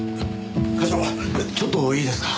課長ちょっといいですか？